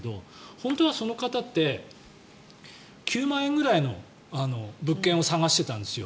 本当はその方って９万円ぐらいの物件を探していたんですよ。